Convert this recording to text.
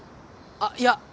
あっいや！